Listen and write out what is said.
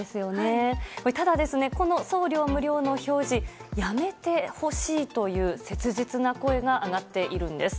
ただ、この送料無料の表示やめてほしいという切実な声が上がっているんです。